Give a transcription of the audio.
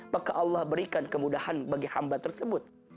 maka allah berikan kemudahan bagi hamba tersebut